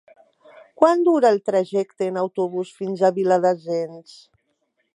Quant dura el trajecte en autobús fins a Viladasens?